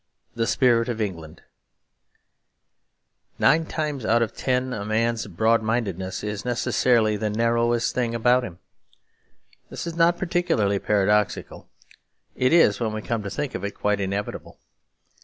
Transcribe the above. The Spirit of England Nine times out of ten a man's broad mindedness is necessarily the narrowest thing about him. This is not particularly paradoxical; it is, when we come to think of it, quite inevitable.